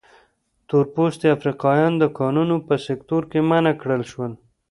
تور پوستي افریقایان د کانونو په سکتور کې منع کړل شول.